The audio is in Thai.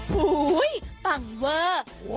หูยปังเวอร์